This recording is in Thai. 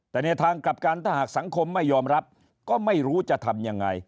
แต่ในทางกลับกันถ้าหากสังคมไม่ยอมรับก็ไม่รู้จะทำยังไง